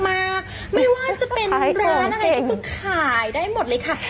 มาไม่ว่าจะเป็นร้านอะไรก็คือขายได้หมดเลยค่ะ